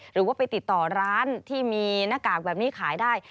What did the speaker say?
หรือว่าไปติดต่อร้านที่มีหน้ากากแบบนี้ขายได้